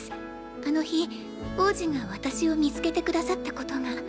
あの日王子が私を見つけて下さったことが。